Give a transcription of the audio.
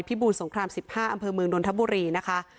พิบูรสงครามสิบห้าอำเภอเมืองนทบุรีนะคะ